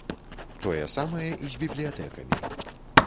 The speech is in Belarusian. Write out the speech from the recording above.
Тое самае і з бібліятэкамі.